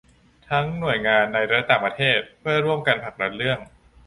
ทั้งหน่วยงานในและต่างประเทศเพื่อร่วมกันผลักดันเรื่อง